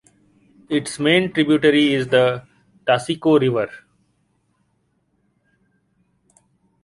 Its main tributary is the Taseko River.